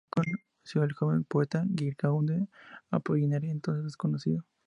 Allí conoció al joven poeta Guillaume Apollinaire, entonces desconocido.